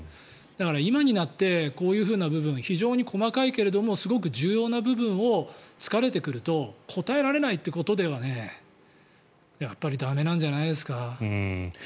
だから今になってこういうふうな部分が非常に細かいけれども非常に重要な部分を突かれてくると答えられないということではやっぱり駄目なんじゃないですか。